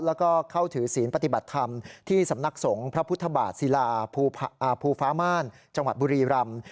แล้วก็เข้าถือศีลปฏิบัติธรรมที่สำนักสงฆ์พระพุทธบาทศิลาภูฟ้าม่านจังหวัดบุรีรำ